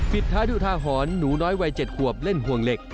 ปิดท้ายดูทาหรณ์หนูน้อยวัย๗ขวบเล่นห่วงเหล็ก